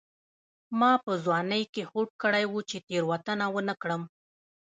ما په ځوانۍ کې هوډ کړی و چې تېروتنه ونه کړم.